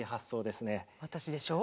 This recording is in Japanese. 私でしょう。